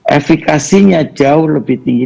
efekasinya jauh lebih tinggi